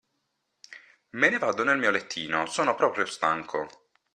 Me ne vado nel mio lettino, sono proprio stanco.